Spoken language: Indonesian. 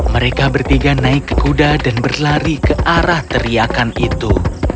mereka bertiga naik ke kuda dan berlari ke arah teriakan itu